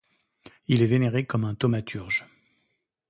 Il est vénéré comme thaumaturge.